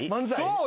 そう。